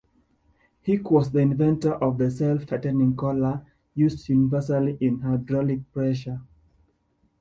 Hick was the inventor of the self tightening collar, used universally in hydraulic pressess.